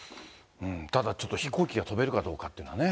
ただちょっと、飛行機が飛べるかどうかっていうのはね。